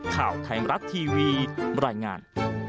ข่าวไทยมรัฐทีวีบรรยายงาน